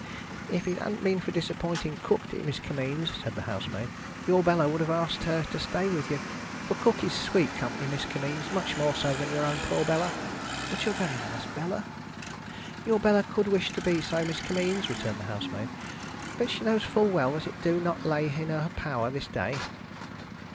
"If it hadn't been for disappointing Cook, dear Miss Kimmeens," said the housemaid, "your Bella would have asked her to stay with you. For Cook is sweet company, Miss Kimmeens, much more so than your own poor Bella." "But you are very nice, Bella." "Your Bella could wish to be so, Miss Kimmeens," returned the housemaid, "but she knows full well that it do not lay in her power this day."